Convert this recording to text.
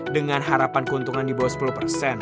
dengan harapan keuntungan di bawah sepuluh persen